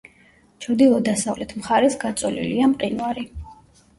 ჩრდილო-დასავლეთ მხარეს გაწოლილია მყინვარი.